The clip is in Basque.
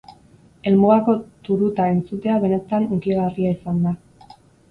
Helmugako turuta entzutea benetan hunkigarria izan da.